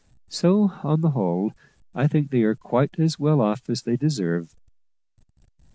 So, on the whole, I think they are quite as well off as they deserve."